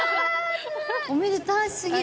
おめでた過ぎる。